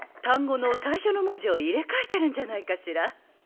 単語の最初の文字を入れ替えてるんじゃないかしら。